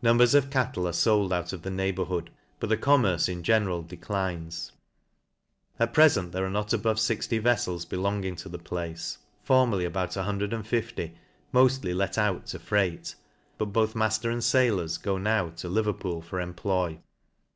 Numbers of cattle are fold out of the neighbourhood, but the commerce in general declines. At prefent there are not above 60 vefTels belonging to the place, formerly about 150,. moftly let out to freight ; but both matter and fai k>rs go now to Levetpool for employ.